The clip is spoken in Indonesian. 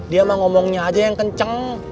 dia mau ngomongnya aja yang kenceng